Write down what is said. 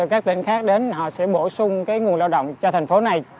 các tỉnh khác đến họ sẽ bổ sung nguồn lao động cho thành phố này